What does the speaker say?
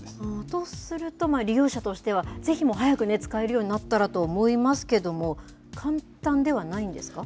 とすると、利用者としてはぜひ早く使えるようになったらと思いますけども、簡単ではないんですか？